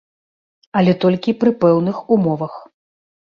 Але толькі пры пэўных умовах.